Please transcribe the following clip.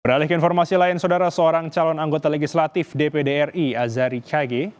beralih ke informasi lain saudara seorang calon anggota legislatif dpd ri azari cage